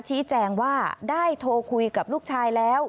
ชี้แจงว่าได้โทรคุยกับลูกชายแล้ว